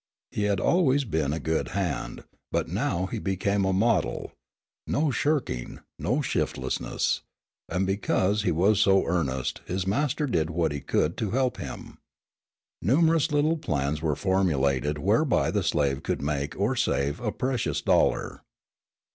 He had always been a good hand, but now he became a model no shirking, no shiftlessness and because he was so earnest his master did what he could to help him. Numerous little plans were formulated whereby the slave could make or save a precious dollar.